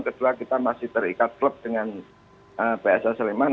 kedua kita masih terikat klub dengan psa seliman